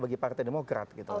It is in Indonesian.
bagi partai demokrat gitu